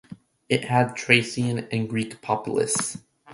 It had Thracian and Greek populace.